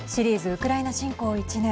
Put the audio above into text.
ウクライナ侵攻１年。